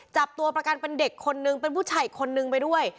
จับตัวประกันเป็นเด็กคนนึงเป็นผู้ชายอีกคนนึงไปด้วย